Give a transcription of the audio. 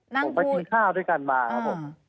นั่งพูดผมไปชิงข้าวด้วยกันมาครับผม